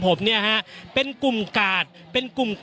อย่างที่บอกไปว่าเรายังยึดในเรื่องของข้อ